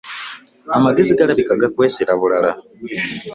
Amagezi galabika gakwesera bulala.